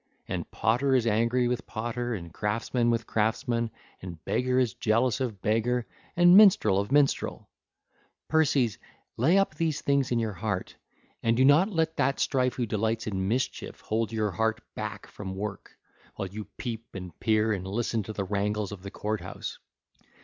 And potter is angry with potter, and craftsman with craftsman, and beggar is jealous of beggar, and minstrel of minstrel. (ll. 25 41) Perses, lay up these things in your heart, and do not let that Strife who delights in mischief hold your heart back from work, while you peep and peer and listen to the wrangles of the court house.